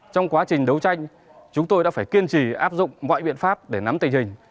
trong quá trình đấu tranh chúng tôi đã phải kiên trì áp dụng mọi biện pháp để nắm tình hình